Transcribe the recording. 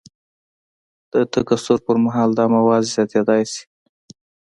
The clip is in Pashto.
د تکثر پر مهال دا مواد زیاتیدای شي.